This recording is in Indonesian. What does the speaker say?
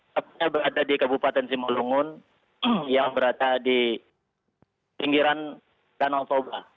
tepatnya berada di kabupaten simolungun yang berada di pinggiran danau toba